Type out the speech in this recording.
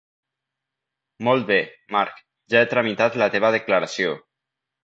Molt bé, Marc, ja he tramitat la teva declaració.